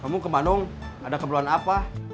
kamu ke bandung ada keperluan apa